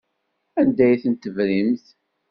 Anda ay ten-tebrimt?